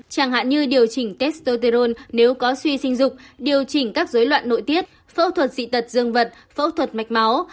chẳng hạn như điều chỉnh testroteinrone nếu có suy sinh dục điều chỉnh các dối loạn nội tiết phẫu thuật dị tật dương vật phẫu thuật mạch máu